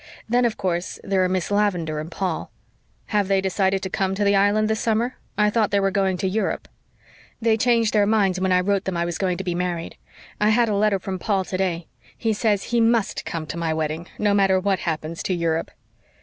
Then, of course, there are Miss Lavendar and Paul." "Have they decided to come to the Island this summer? I thought they were going to Europe." "They changed their minds when I wrote them I was going to be married. I had a letter from Paul today. He says he MUST come to my wedding, no matter what happens to Europe."